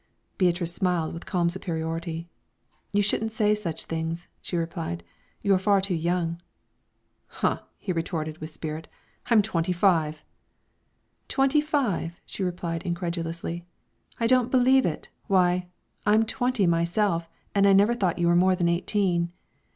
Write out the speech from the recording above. Beatrice smiled with calm superiority. "You shouldn't say such things," she replied; "you're far too young." "Huh!" he retorted, with spirit, "I'm twenty five!" "Twenty five?" she repeated incredulously; "I don't believe it. Why, I'm twenty myself, and I never thought you were more than eighteen."